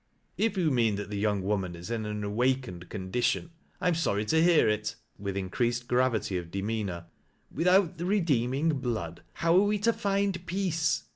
"If you mean that the young woman is in an m awakened oundition, I am sorry to hear it," with increased gravity of demeanor. "Without the redeemmg blood hi>w are we to find peace?